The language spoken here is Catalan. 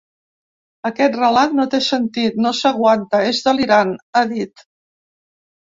Aquest relat no té sentit, no s’aguanta, és delirant, ha dit.